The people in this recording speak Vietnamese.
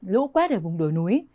lũ quét ở vùng đồi núi